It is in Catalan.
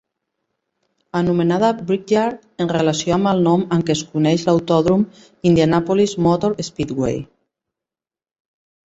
Anomenada "Brickyard" en relació amb el nom amb què es coneix l'autòdrom Indianapolis Motor Speedway.